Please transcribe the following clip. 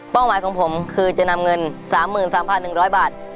หมายของผมคือจะนำเงิน๓๓๑๐๐บาท